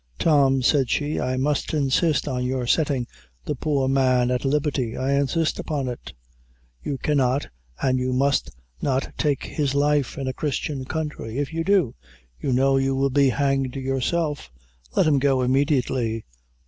"Tom," said she, "I must insist on your settin' the poor man at liberty; I insist upon it. You cannot, an' you must not take his life in a Christian country; if you do, you know you will be hanged yourself. Let him go immediately."